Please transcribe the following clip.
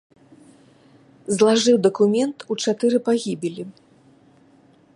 Злажыў дакумент у чатыры пагібелі.